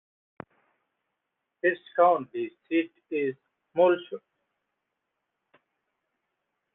Its county seat is Muleshoe.